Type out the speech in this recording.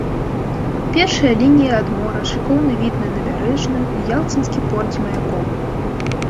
Першая лінія ад мора, шыкоўны від на набярэжную і ялцінскі порт з маяком.